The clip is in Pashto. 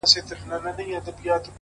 راته ستا حال راكوي،